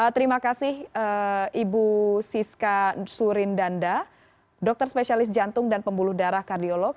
terima kasih ibu siska surindanda dokter spesialis jantung dan pembuluh darah kardiolog